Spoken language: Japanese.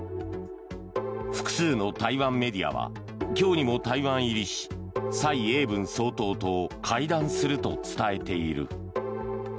複数の台湾メディアは今日にも台湾入りし蔡英文総統と会談すると伝えている。